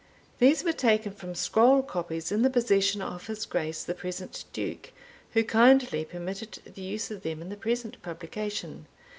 These were taken from scroll copies in the possession of his Grace the present Duke, who kindly permitted the use of them in the present publication.